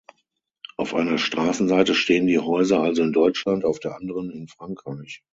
Auf einer Straßenseite stehen die Häuser also in Deutschland, auf der anderen in Frankreich.